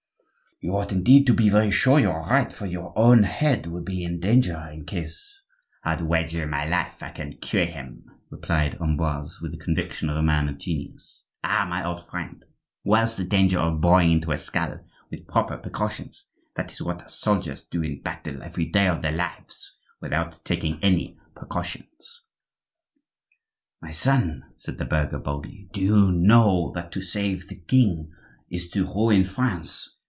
"You ought indeed to be very sure you are right, for your own head would be in danger in case—" "I'd wager my life I can cure him," replied Ambroise, with the conviction of a man of genius. "Ah! my old friend, where's the danger of boring into a skull with proper precautions? That is what soldiers do in battle every day of their lives, without taking any precautions." "My son," said the burgher, boldly, "do you know that to save the king is to ruin France?